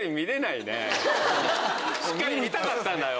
しっかり見たかったんだよ。